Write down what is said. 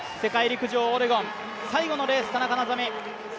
世界陸上オレゴン、最後のレース田中希実。